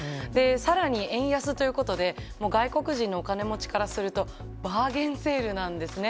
さらに円安ということで、外国人のお金持ちからするとバーゲンセールなんですね。